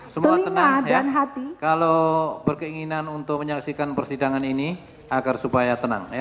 semua tenang hati kalau berkeinginan untuk menyaksikan persidangan ini agar supaya tenang